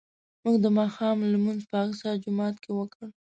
موږ د ماښام لمونځ په الاقصی جومات کې وکړ.